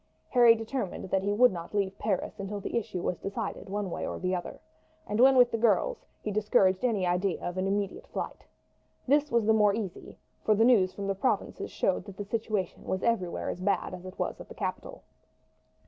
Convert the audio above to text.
Harry determined that he would not leave Paris until the issue was decided one way or the other, and when with the girls he discouraged any idea of an immediate flight. This was the more easy, for the news from the provinces showed that the situation was everywhere as bad as it was at the capital.